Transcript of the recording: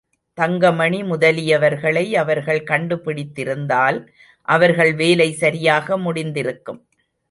தங்கமணி முதலியவர்களை அவர்கள் கண்டுபிடித்திருந்தால் அவர்கள் வேலை சரியாக முடிந்திருக்கும்.